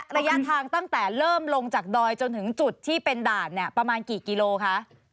ระยะทางตั้งแต่เริ่มลงจากดอยจนถึงจุดที่เป็นด่านเนี่ยประมาณกี่กิโลคะ